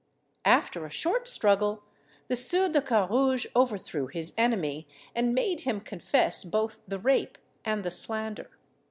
After a short struggle, the Sieur de Carrouges overthrew his enemy, and made him confess both the rape and the slander.